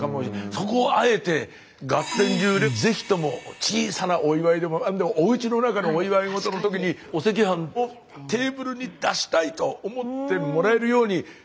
そこをあえてガッテン流でぜひとも小さなお祝いでも何でもおうちの中でお祝い事のときにお赤飯をテーブルに出したいと思ってもらえるように今日出来上がってますので。